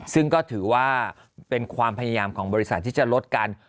ซึ่งก็ถือว่าเป็นความพยายามของบริษัทที่จะลดกัน